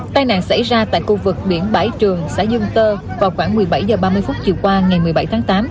tai nạn xảy ra tại khu vực biển bãi trường xã dương tơ vào khoảng một mươi bảy h ba mươi chiều qua ngày một mươi bảy tháng tám